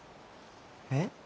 えっ？